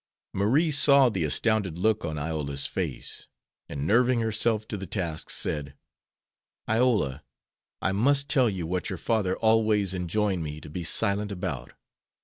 Marie saw the astounded look on Iola's face, and nerving herself to the task, said: "Iola, I must tell you what your father always enjoined me to be silent about.